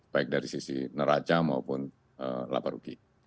baik dari sisi neraca maupun laba rugi